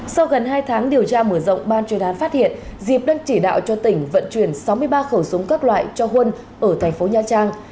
sau gần hai tháng điều tra mở rộng ban chuyên án phát hiện diệp đang chỉ đạo cho tỉnh vận chuyển sáu mươi ba khẩu súng các loại cho huân ở thành phố nha trang